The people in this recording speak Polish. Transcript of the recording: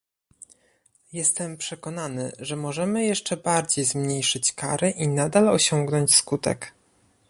Jestem przekonany, że możemy jeszcze bardziej zmniejszyć kary i nadal osiągnąć skutek